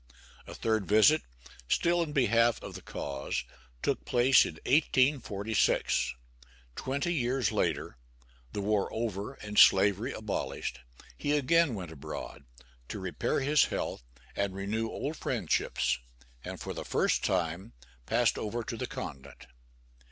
A third visit, still in behalf of the cause, took place in 1846. Twenty years later the war over and Slavery abolished he again went abroad, to repair his health and renew old friendships, and for the first time passed over to the Continent.